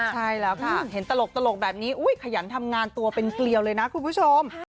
ใช่แล้วค่ะเห็นตลกแบบนี้ขยันทำงานตัวเป็นเกลียวเลยนะคุณผู้ชม